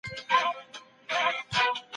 فرهنګي پرمختګونه د ټولني د پرمختیا اړینه برخه ده.